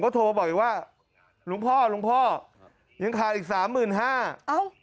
ก็โทรมาบอกอยู่ว่าลุงพ่อยังคาอีก๓๕๐๐๐บาท